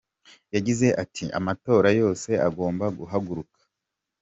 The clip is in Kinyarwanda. Yagize ati ati “Amatorero yose agomba guhaguruka.